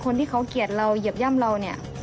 คนที่เขาเกลียดเราเหยียบย่ำเราเนี่ย